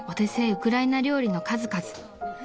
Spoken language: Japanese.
ウクライナ料理の数々］